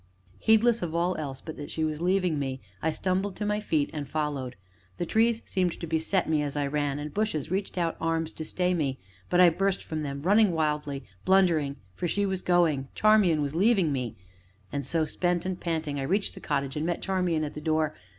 Heedless of all else but that she was leaving me, I stumbled to my feet and followed. The trees seemed to beset me as I ran, and bushes to reach out arms to stay me, but I burst from them, running wildly, blunderingly, for she was going Charmian was leaving me. And so, spent and panting, I reached the cottage, and met Charmian at the door.